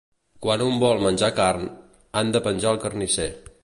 Quan un vol menjar carn, han penjat al carnisser.